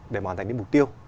để hoàn thành những mục tiêu